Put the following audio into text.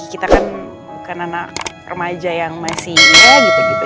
kita kan bukan anak remaja yang masihnya gitu gitu